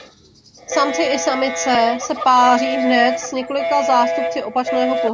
Samci i samice se páří hned s několika zástupci opačného pohlaví.